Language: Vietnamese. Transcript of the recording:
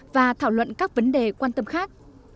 và thảo luận các vấn đề quan tâm khác